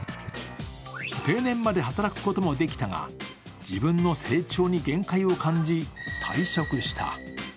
定年まで働くこともできたが、自分の成長に限界を感じ、退職した。